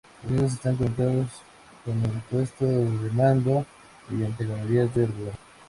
Los nidos están conectados con el puesto de mando mediante galerías de hormigón.